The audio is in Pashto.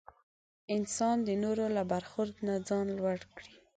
انسان د نورو له برخورد نه ځان لوړ کړي.